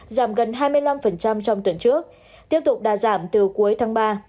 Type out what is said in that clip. giảm gần hai mươi năm trong tuần trước tiếp tục đà giảm từ cuối tháng ba